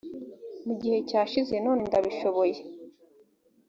mu gihe cyashize none ndabishohoje